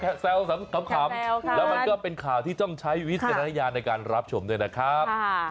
แซวขำแล้วมันก็เป็นข่าวที่ต้องใช้วิจารณญาณในการรับชมด้วยนะครับ